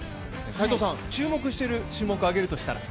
斎藤さん、注目している種目を挙げるとしたら？